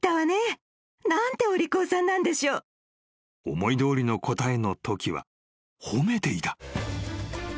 ［思いどおりの答えのときは褒めていた］